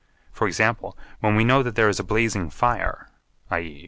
For example, when we know that there is a blazing fire (_i.